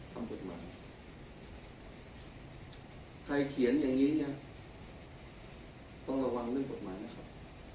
กฎหมายใครเขียนอย่างนี้เนี่ยต้องระวังเรื่องกฎหมายนะครับ